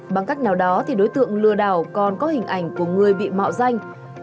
bằng cách nào đó thì đối tượng lừa đảo còn có hình ảnh của người bị mạo danh